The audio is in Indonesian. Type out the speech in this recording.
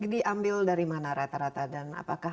diambil dari mana rata rata dan apakah